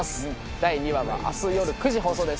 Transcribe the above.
第２話は明日夜９時放送です